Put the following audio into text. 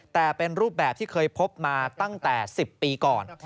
แต่เป็นรูปแบบที่เคยพบมาตั้งแต่๑๐ปีก่อน